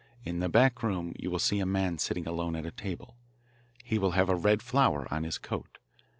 In the back room you will see a man sitting alone at a table. He will have a red flower on his coat.